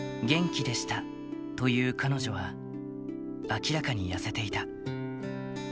元気でしたと言う彼女は、明らかに痩せていた。